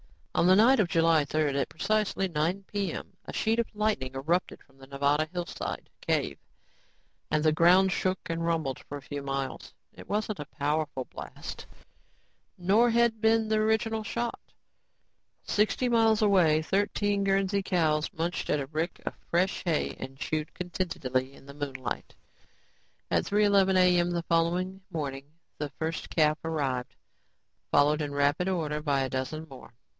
On the night of July 3rd, at precisely 9:00 p.m., a sheet of light erupted from the Nevada hillside cave and the ground shook and rumbled for a few miles. It wasn't a powerful blast, nor had been the original shot. Sixty miles away, thirteen Guernsey cows munched at a rick of fresh hay and chewed contentedly in the moonlight. At 3:11 a.m., the following morning the first calf arrived, followed in rapid order by a dozen more.